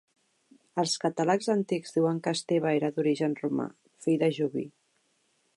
Els catàlegs antics diuen que Esteve era d'origen romà, fill de Joví.